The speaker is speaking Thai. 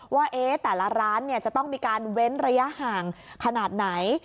ว่าแต่ละร้านจะต้องมีการเว้นระยะห่างขนาดไหน